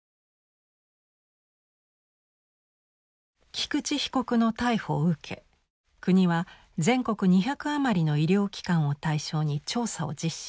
菊池被告の逮捕を受け国は全国２００余りの医療機関を対象に調査を実施。